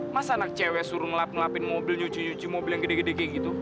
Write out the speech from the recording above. masa anak cewek suruh ngelap ngelapin mobil nyuci nyuci mobil yang gede gede kayak gitu